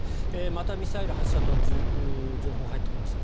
またミサイル発射という情報が入ってきました。